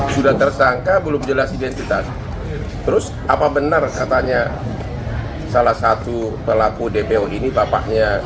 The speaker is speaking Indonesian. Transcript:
sudah tersangka belum jelas identitas terus apa benar katanya salah satu pelaku dpo ini bapaknya